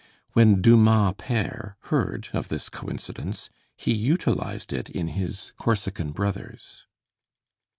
When Dumas père heard of this coincidence, he utilized it in his 'Corsican Brothers.'